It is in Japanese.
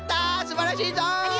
すばらしいぞい！